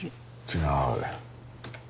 違う。